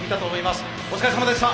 お疲れさまでした。